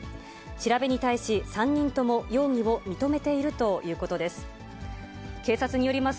調べに対し、３人とも容疑を認めているということです。